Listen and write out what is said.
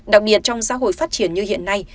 đặc biệt trong xã hội phát triển như hiện nay